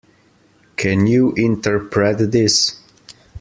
Can you interpret this?